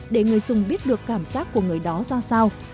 để người dùng biết được cảm giác của người đó ra sao